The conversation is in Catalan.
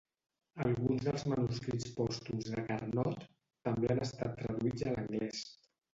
Alguns dels manuscrits pòstums de Carnot també han estat traduïts a l'anglès.